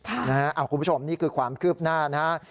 คุณผู้ชมนี่คือความคืบหน้านะครับ